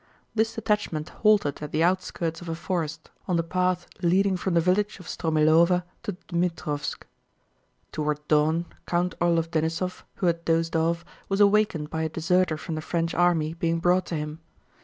This detachment halted at the outskirts of a forest, on the path leading from the village of Stromílova to Dmítrovsk. Toward dawn, Count Orlóv Denísov, who had dozed off, was awakened by a deserter from the French army being brought to him.